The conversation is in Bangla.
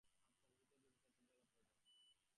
আত্মার ভিতর দিয়াই চেয়ারটি জ্ঞাত হয়।